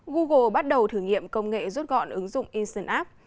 google bắt đầu thử nghiệm công nghệ rút gọn ứng dụng insion app